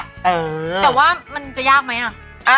หรือว่ามันจะยากไหมอะ